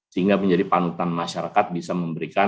sehingga menjadi panutan masyarakat bisa memberikan